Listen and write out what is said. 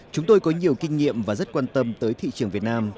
chúng tôi có nhiều kinh nghiệm và rất quan tâm tới thị trường việt nam